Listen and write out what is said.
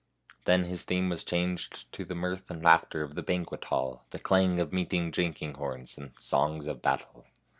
Then his theme was changed to the mirth and laugh ter of the banquet hall, the clang of meeting drinking horns, and songs of battle.